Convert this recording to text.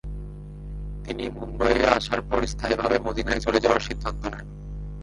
তিনি মুম্বইয়ে আসার পর স্থায়ীভাবে মদিনায় চলে যাওয়ার সিদ্ধান্ত নেন।